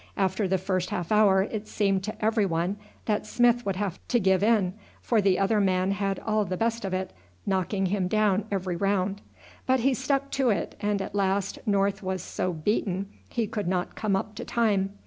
After the first half hour it seemed to every one that Smith would have to give in, for the other man had all the best of it, knocking him down every round; but he stuck to it, and at last North was so beaten he could not come up to time.